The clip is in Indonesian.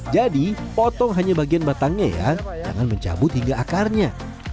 jadi potong hanya bagian batangnya ya jangan mencabut hingga akarnya